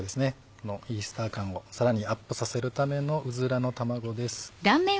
このイースター感をさらにアップさせるためのうずらの卵です。